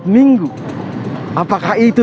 minggu apakah itu